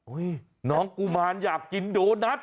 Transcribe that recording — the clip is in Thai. น้องกุมารอยากกินโดนัท